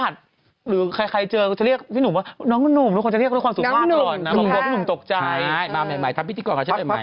ทุกคนจะเรียกว่าความสุขมากก่อนนะครับพี่หนุ่มตกใจนะครับมาใหม่ทำพิธีกรก่อนใช่ไหม